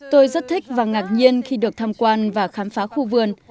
tôi rất thích và ngạc nhiên khi được tham quan và khám phá khu vườn